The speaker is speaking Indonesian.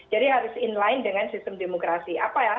jadi harus inline dengan sistem demokrasi